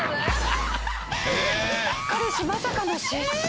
彼氏まさかの失神！